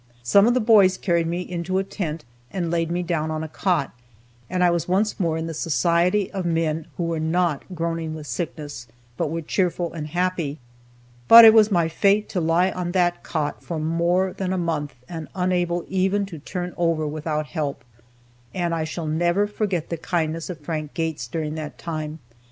Some of the boys carried me into a tent, and laid me down on a cot, and I was once more in the society of men who were not groaning with sickness, but were cheerful and happy. But it was my fate to lie on that cot for more than a month, and unable even to turn over without help. And I shall never forget the kindness of Frank Gates during that time.